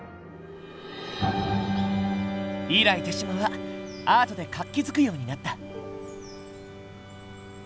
以来豊島はアートで活気づくようになった。